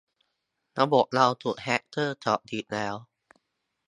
ระบบเราถูกแฮกเกอร์เจาะอีกแล้ว